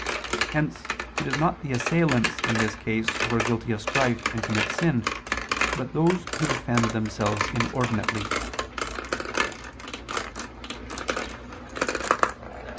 Hence it is not the assailants in this case who are guilty of strife and commit sin, but those who defend themselves inordinately.